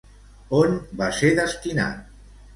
On va ser destinat?